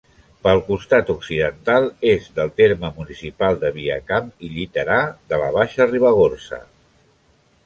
Pel costat occidental, és del terme municipal de Viacamp i Lliterà, de la Baixa Ribagorça.